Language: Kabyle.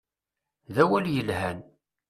D awal yelhan.